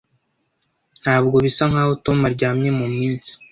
Ntabwo bisa nkaho Tom aryamye muminsi.